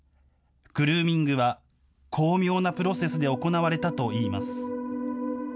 グルーミングは巧妙なプロセスで行われたといいます。